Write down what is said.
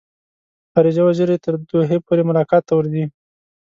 خارجه وزیر یې تر دوحې پورې ملاقات ته ورځي.